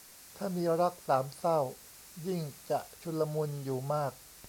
ถ้ามีรักสามเส้ายิ่งจะชุลมุนอยู่มาก